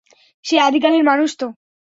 সে আদিকালের মানুষ তো!